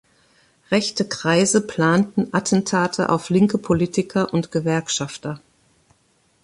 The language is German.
Rechte Kreise planten Attentate auf linke Politiker und Gewerkschafter.